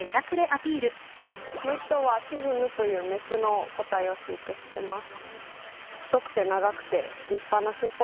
もう一頭はシジムというメスの個体を飼育してます。